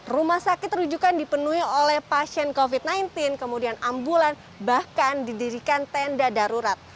rumah sakit rujukan dipenuhi oleh pasien covid sembilan belas kemudian ambulan bahkan didirikan tenda darurat